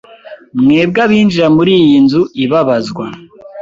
Mwebwe abinjira muri iyi nzu ibabazwa